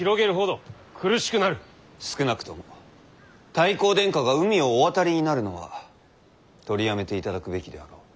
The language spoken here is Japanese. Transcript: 少なくとも太閤殿下が海をお渡りになるのは取りやめていただくべきであろう。